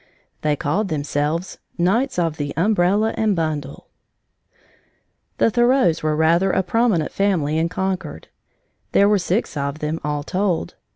They called themselves "Knights of the Umbrella and Bundle." The Thoreaus were rather a prominent family in Concord. There were six of them, all told.